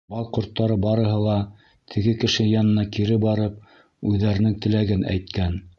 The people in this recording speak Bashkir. Бал ҡорттары барыһы ла, теге Кеше янына кире барып, үҙҙәренең теләген әйткән: